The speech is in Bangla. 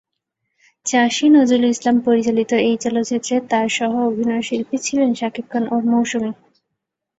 চাষী নজরুল ইসলাম পরিচালিত এই চলচ্চিত্রে তার সহ-অভিনয়শিল্পী ছিলেন শাকিব খান ও মৌসুমী।